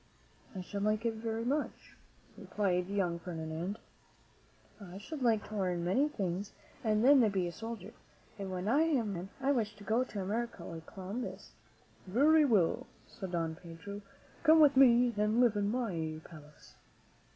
"I should like it very much," replied the young Ferdinand. "I should like to learn many things and then be a soldier; and when I am a man I wish to go to America like Columbus." "Very well," said Don Pedro; "come with me and live in my palace."